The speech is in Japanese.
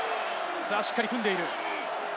しっかり組んでいる。